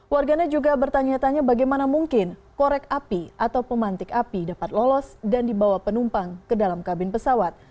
warganet juga bertanya tanya bagaimana mungkin korek api atau pemantik api dapat lolos dan dibawa penumpang ke dalam kabin pesawat